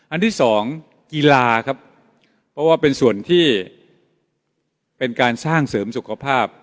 อันที่สองกีฬาครับเพราะว่าเป็นส่วนที่เป็นการสร้างเสริมสุขภาพ